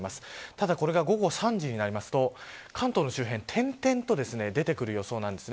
ただこれが、午後３時になると関東の周辺点々と出てくる予想です。